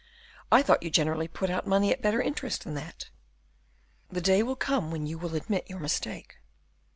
I thought you generally put out money at better interest than that." "The day will come when you will admit your mistake."